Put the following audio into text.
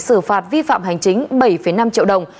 xử phạt vi phạm hành chính bảy năm triệu đồng